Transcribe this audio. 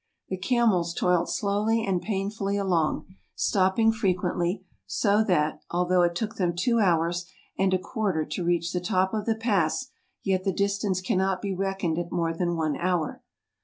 The camels toiled slowly and painfully along, stopping frequently; so that, although it took them two hours and a quarter to reach the top of the pass, yet the distance cannot be reckoned at more than one hour.